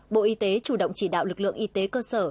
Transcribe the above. bộ y tế chủ động chỉ đạo lực lượng y tế cơ sở